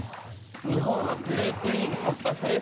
日本はグループリーグ突破する？